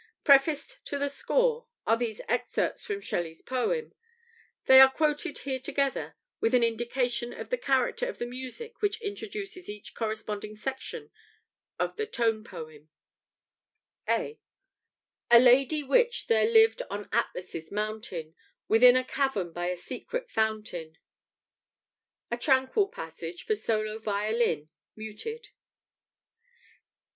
Prefaced to the score are these excerpts from Shelley's poem; they are quoted here together with an indication of the character of the music which introduces each corresponding section of the tone poem: (A) "A lady witch there lived on Atlas' mountain Within a cavern by a secret fountain." [A tranquil passage for solo violin, muted.